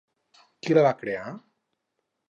Qui la va crear?